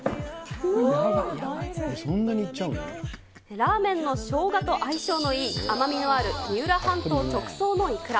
ラーメンの生姜と相性のいい、甘みのある三浦半島直送のいくら。